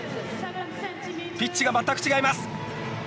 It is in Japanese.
ピッチが、全く違います。